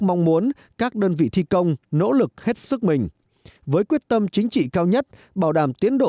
mong muốn các đơn vị thi công nỗ lực hết sức mình với quyết tâm chính trị cao nhất bảo đảm tiến độ